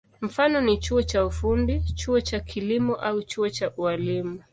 Mifano ni chuo cha ufundi, chuo cha kilimo au chuo cha ualimu.